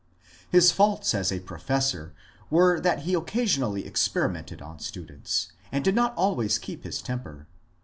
His faults as a professor were that he occasionally experi mented on students, and did not always keep his temper.